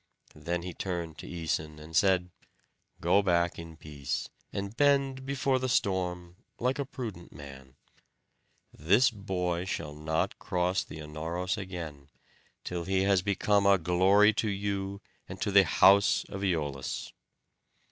Then he turned to Æson, and said, "Go back in peace, and bend before the storm like a prudent man. This boy shall not cross the Anauros again, till he has become a glory to you and to the house of Æolus."